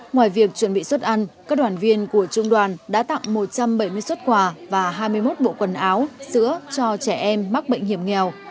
ngoài việc chuẩn bị xuất ăn các đoàn viên của trung đoàn đã tặng một trăm bảy mươi xuất quà và hai mươi một bộ quần áo sữa cho trẻ em mắc bệnh hiểm nghèo